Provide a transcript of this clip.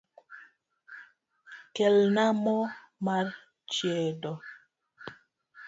Kelna mo mar chiedo